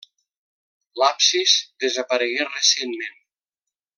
L'absis desaparegué recentment.